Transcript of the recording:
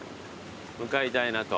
向かいたいなと。